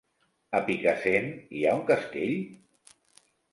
A Picassent hi ha un castell?